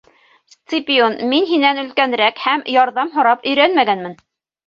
Сципион, мин һинән өлкәнерәк һәм ярҙам һорап өйрәнмәгәнмен.